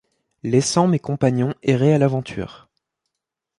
Laissant mes compagnons errer à l'aventure.